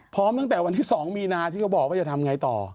ตั้งแต่วันที่๒มีนาที่เขาบอกว่าจะทำไงต่อ